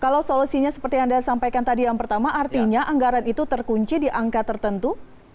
kalau solusinya seperti yang anda sampaikan tadi yang pertama artinya anggaran itu terkunci di angka tertentu